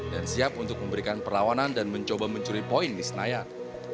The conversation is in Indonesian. dan siap untuk memberikan perlawanan dan mencoba mencuri poin di senayan